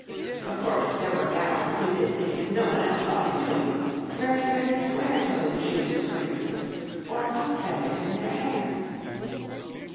Of course, there were gallants who did things no one else thought of doing wearing very square toed shoes, for instance, or cock feathers in their hair.